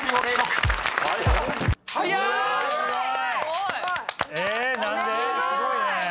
すごいね。